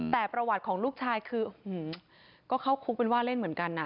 แต่ประวัติของลูกชายคือก็เข้าคุกเป็นว่าเล่นเหมือนกัน